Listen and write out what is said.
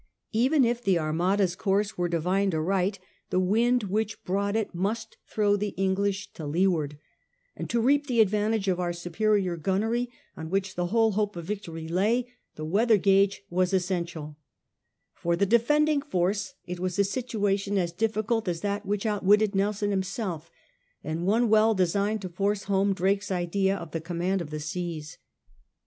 Even if the Armada's course were divined aright, the wind which brought it must throw the English to leeward ; and to reap the advantage of our superior gunnery, on which the only hope of victory lay, the weather gage was essential For the defending force it was a situation as difficult as that which outwitted Nelson himself, and one well designed to force home Drake's idea of the command of the seas.